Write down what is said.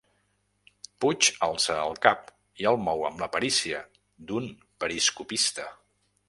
Puig alça el cap i el mou amb la perícia d'un periscopista.